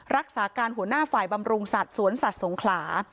รักษาการหัวหน้าฝ่ายบำรุงสัตว์สวนสัตว์สงขลา